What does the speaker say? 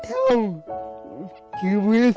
ทำงานชื่อนางหยาดฝนภูมิสุขอายุ๕๔ปี